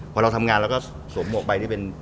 พี่จะทำงานแล้วก็สมมมติไปที่เป็น